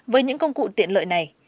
với những công cụ tiện lợi này